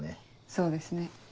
そうですね。